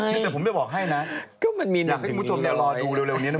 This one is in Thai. อยากให้ชนีพรวมก็รอดูเร็วนี้นะ